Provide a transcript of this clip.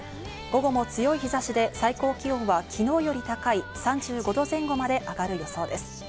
午後も強い日差しで最高気温は昨日より高い、３５度前後まで上がる予想です。